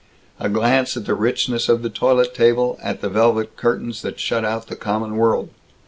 A glance at the richness of the toilet table, at the velvet curtains that shut out the common world.